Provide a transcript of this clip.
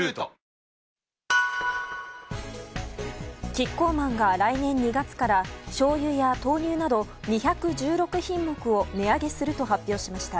キッコーマンが来年２月からしょうゆや豆乳など２１６品目を値上げすると発表しました。